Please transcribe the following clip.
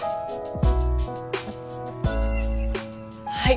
はい。